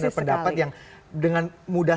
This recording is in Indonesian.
dan pendapat yang dengan mudah